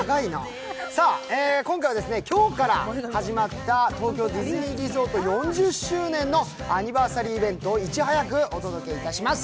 今回は今日から始まった東京ディズニーリゾート４０周年のアニバーサリーイベントをいち早くお届けいたします。